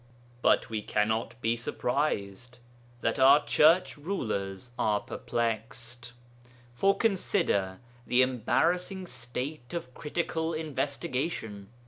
But we cannot be surprised that our Church rulers are perplexed. For consider the embarrassing state of critical investigation.